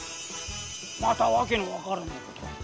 またわけのわからねえことを。